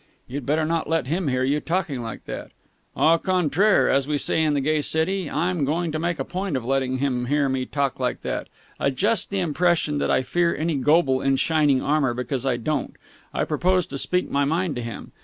"You'd better not let him hear you talking like that!" "Au contraire, as we say in the Gay City, I'm going to make a point of letting him hear me talk like that! Adjust the impression that I fear any Goble in shining armour, because I don't. I propose to speak my mind to him.